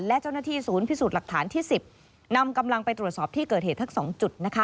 และเจ้าหน้าที่ศูนย์พิสูจน์หลักฐานที่๑๐นำกำลังไปตรวจสอบที่เกิดเหตุทั้ง๒จุด